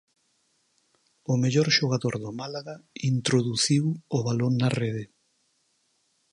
O mellor xogador do Málaga introduciu o balón na rede.